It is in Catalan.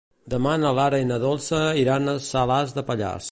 Demà na Lara i na Dolça iran a Salàs de Pallars.